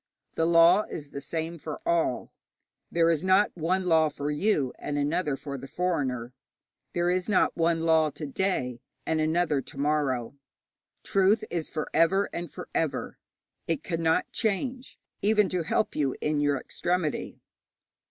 The law is the same for all. There is not one law for you and another for the foreigner; there is not one law to day and another to morrow. Truth is for ever and for ever. It cannot change even to help you in your extremity.